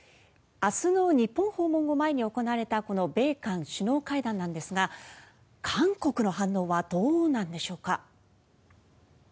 明日の日本訪問を前に行われたこの米韓首脳会談なのですが韓国の反応はどうなんでしょうか。